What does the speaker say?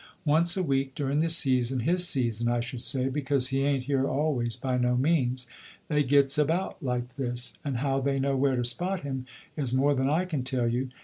Once a week, during the season his season, I should say, because he ain't here always, by no means they gets about like this; and how they know where to spot him is more than I can tell you.